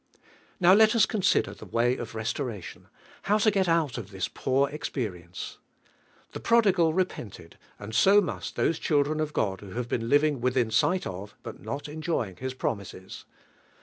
Now lei os consider the way of restora tion: how to get out of this poor expert enee. Tin' prodigal repented and si> inns! those children of God who nave Irei'ii living within siglii of, bn[ not en joying His promises.